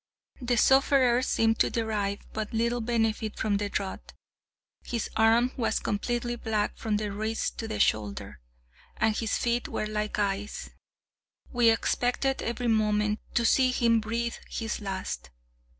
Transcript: The sufferer seemed to derive but little benefit from the draught. His arm was completely black from the wrist to the shoulder, and his feet were like ice. We expected every moment to see him breathe his last.